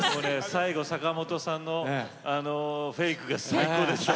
最後坂本さんのあのフェイクが最高でした。